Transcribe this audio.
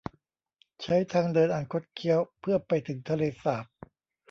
ใช้ทางเดินอันคดเคี้ยวเพื่อ ไปถึงทะเลสาบ